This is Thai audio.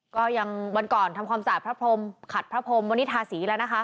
ก็ยังวันก่อนทำความสะอาดพระพรมขัดพระพรมวันนี้ทาสีแล้วนะคะ